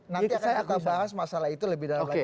nanti akan kita bahas masalah itu lebih dalam lagi